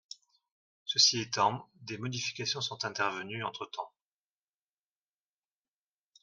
Ceci étant, des modifications sont intervenues entre-temps.